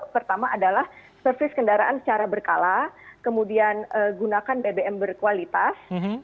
pertama adalah servis kendaraan secara berkala kemudian gunakan bbm berkualitas